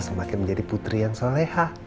semakin menjadi putri yang soleha